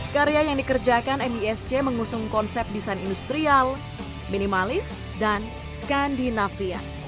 karya yang dikerjakan misc mengusung konsep desain industrial minimalis dan skandinavia